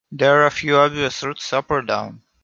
There are few obvious routes up or down.